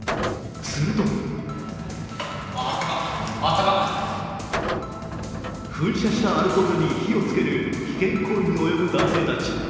すると噴射したアルコールに火をつける危険行為に及ぶ男性たち。